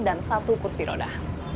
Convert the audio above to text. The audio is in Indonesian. dan satu kursi roda